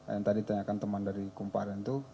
yang tadi ditanyakan teman dari kumparan itu